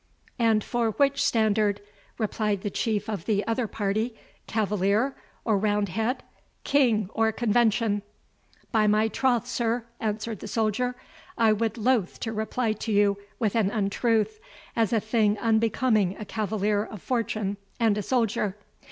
"And for which standard?" replied the chief of the other party "Cavalier or Roundhead, King or Convention?" "By my troth, sir," answered the soldier, "I would be loath to reply to you with an untruth, as a thing unbecoming a cavalier of fortune and a soldier.